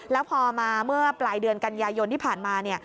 แล้วพอมาเมื่อปลายเดือนกันยายนที่ผ่านมา